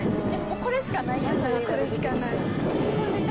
これしかない。